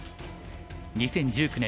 ２０１９年